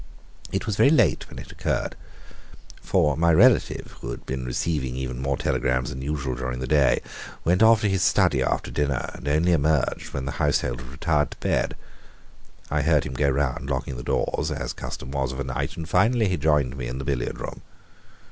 It was very late when it occurred, for my relative, who had been receiving even more telegrams than usual during the day, went off to his study after dinner, and only emerged when the household had retired to bed. I heard him go round locking the doors, as custom was of a night, and finally he joined me in the billiard room.